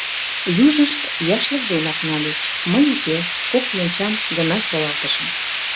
Южышт яшлык денак нальыч, мый — уке, кок кленчам гына солалтышым.